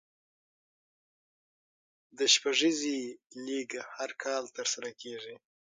د شپږیزې لیګ هر کال ترسره کیږي.